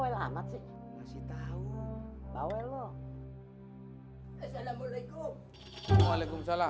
lo bawel amat sih